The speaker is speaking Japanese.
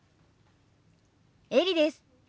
エリです。